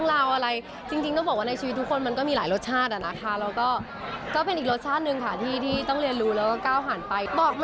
กลัวเดี๋ยวเรื่องมันจะยาวเรื่องงานค่ะ